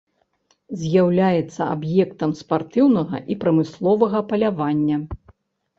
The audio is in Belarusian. З'яўляецца аб'ектам спартыўнага і прамысловага палявання.